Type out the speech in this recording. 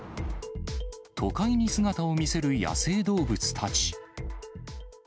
都会に姿を見せる野生動物たち。